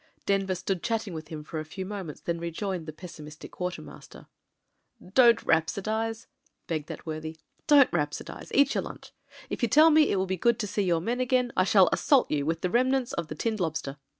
Denver stood chatting with him for a few moments and then rejoined the pessimistic quartermaster. "Don't rhapsodise," begged that worthy — ^"don't BLACK, WHITE, AND GREY 273 rhapsodise; eat your Itinch. If you tell me it will be good to see your men again, I shall assault you with the remnants of the tinned lobster.